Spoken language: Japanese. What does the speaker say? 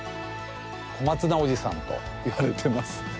小松菜おじさんといわれています。